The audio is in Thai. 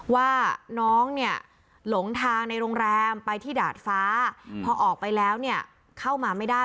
ว่าน้องเนี่ยหลงทางในโรงแรมไปที่ดาดฟ้าพอออกไปแล้วเนี่ยเข้ามาไม่ได้